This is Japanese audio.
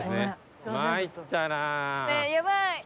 やばい！